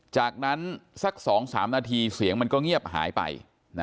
จากนั้นสัก๒๓นาทีเสียงมันก็เงียบหายไป